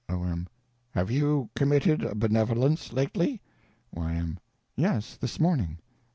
O.M. Have you committed a benevolence lately? Y.M. Yes. This morning.